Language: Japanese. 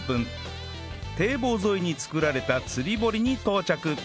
堤防沿いに作られた釣り堀に到着